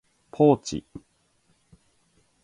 ポーチ